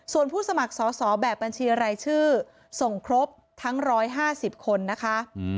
ส่วนผู้สมัครสอบแบบบัญชีรายชื่อส่งครบทั้ง๑๕๐คนนะคะ